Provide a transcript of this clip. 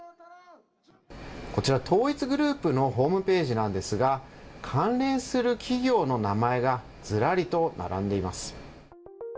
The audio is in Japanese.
こちら、統一グループのホームページなんですが関連する企業の名前がずらりと並んでいます。